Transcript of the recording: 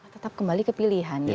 tetap kembali ke pilihan